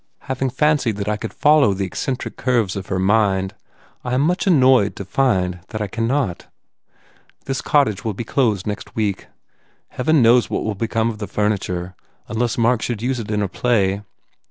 Having fancied that I could follow the eccentric curves of her mind I am much annoyed to find that I can not. This cottage will be closed next week. Heaven knows what will become of the furniture unless Mark should use it in a play.